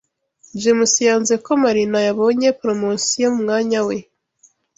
James yanze ko Marina yabonye promotion mu mwanya we.